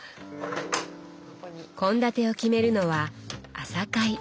献立を決めるのは「朝会」。